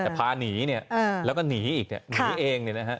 แต่พาหนีเนี่ยแล้วก็หนีอีกเนี่ยหนีเองเนี่ยนะฮะ